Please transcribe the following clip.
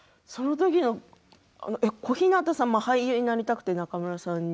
小日向さんも俳優になりたくて中村さんに？